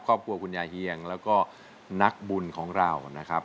ครอบครัวคุณยายเฮียงแล้วก็นักบุญของเรานะครับ